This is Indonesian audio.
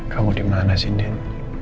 kamu dimana sih din